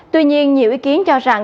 tuy nhiên nhiều ý kiến cho rằng